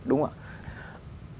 đúng không ạ